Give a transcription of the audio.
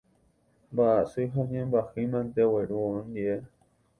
Mba'asy ha ñembyahýi mante ogueru ondive.